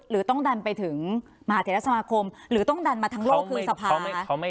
หรือต้องดันไปถึงมหาเทรสมาคมหรือต้องดันมาทั้งโลกคือสภาไหมคะ